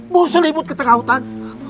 bawa selimut ke tengah hutan